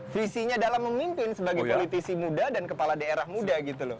visinya dalam memimpin sebagai politisi muda dan kepala daerah muda gitu loh